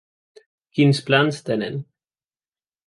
Quins plans tenen?